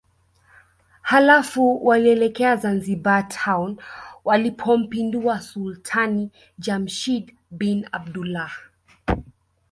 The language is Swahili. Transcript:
Halafu walielekea Zanzibar Town walipompindua Sultani Jamshid bin Abdullah